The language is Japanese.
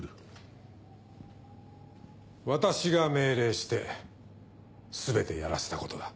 私が命令して全てやらせたことだ。